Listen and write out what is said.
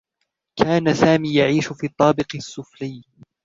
كان سامي يعيش في الطابق السّفلي.